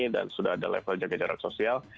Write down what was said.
dan sudah ada level jaga jarak sosial